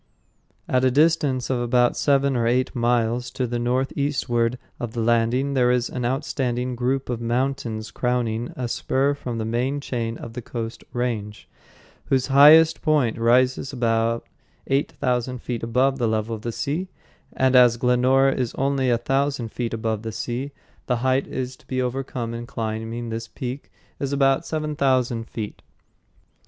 At a distance of about seven or eight miles to the northeastward of the landing, there is an outstanding group of mountains crowning a spur from the main chain of the Coast Range, whose highest point rises about eight thousand feet above the level of the sea; and as Glenora is only a thousand feet above the sea, the height to be overcome in climbing this peak is about seven thousand feet.